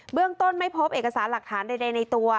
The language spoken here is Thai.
เรื่องต้นไม่พบเอกสารหลักฐานใดในตัว